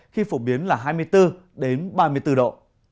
khi phổ biến là hai mươi bốn ba mươi bốn độ